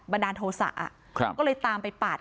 ประดานโทสะก็เลยตามไปปาด